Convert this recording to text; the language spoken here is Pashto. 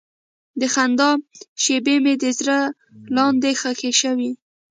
د خندا شېبې مې د ژړا لاندې ښخې شوې.